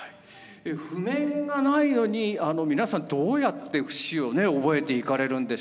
譜面がないのに皆さんどうやって節を覚えていかれるんでしょうか？